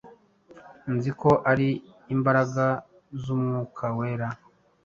Nzi ko ari imbaraga z’Umwuka Wera